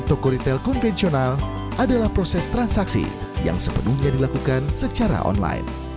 toko retail konvensional adalah proses transaksi yang sepenuhnya dilakukan secara online